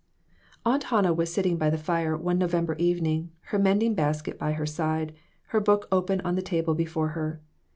AUNT Hannah was sitting by the fire one November evening, her mending basket by her side, her book open on the table before her.